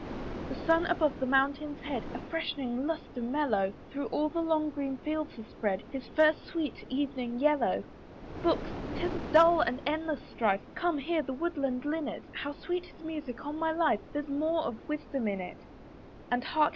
The sun above the mountain's head, A freshening lustre mellow, Through all the long green fields has spread, His first sweet evening yellow. Books! 'tis a dull and endless strife, Come, hear the woodland linnet, How sweet his music; on my life There's more of wisdom in it. And hark!